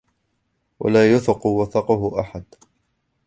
ولا يوثق وثاقه أحد